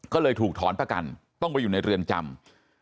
ก็เลยถูกถอนประกันต้องไปอยู่ในเรือนจำ